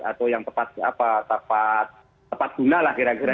atau yang tepat guna lah kira kira